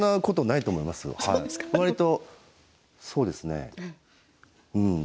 わりと、そうですね。